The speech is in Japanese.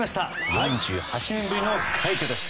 ４８年ぶりの快挙です。